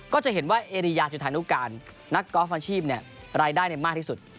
ก็จะเห็นว่าเอริยาจุธานุการนักกอล์ฟอาชีพรายได้มากที่สุด